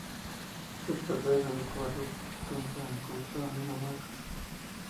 Se trata del único barco tumba encontrado en Dinamarca.